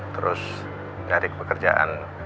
terus dari pekerjaan